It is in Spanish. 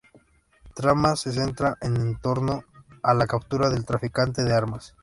Trama se centra en torno a la captura del traficante de armas.